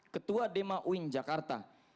ketua dma uin jakarta